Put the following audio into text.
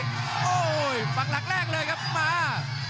โอ้โหฝั่งหลักแรกเลยครับมา